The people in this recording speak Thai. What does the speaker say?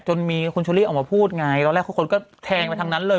จนมีคุณเชอรี่ออกมาพูดไงตอนแรกทุกคนก็แทงไปทางนั้นเลย